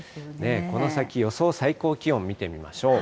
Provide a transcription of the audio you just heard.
この先、予想最高気温見てみましょう。